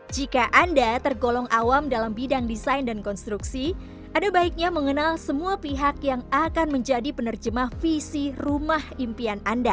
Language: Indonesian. jika anda tergolong awam dalam bidang desain dan konstruksi ada baiknya mengenal semua pihak yang akan menjadi penerjemah visi rumah impian anda